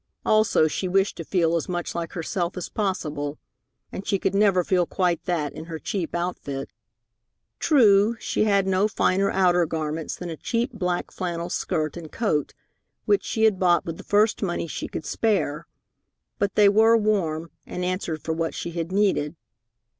Also, she wished to feel as much like herself as possible, and she never could feel quite that in her cheap outfit. True, she had no finer outer garments than a cheap black flannel skirt and coat which she had bought with the first money she could spare, but they were warm, and answered for what she had needed.